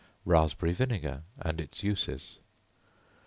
Raspberry Vinegar, and its uses.